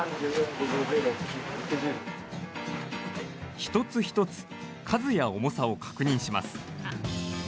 一つ一つ、数や重さを確認します。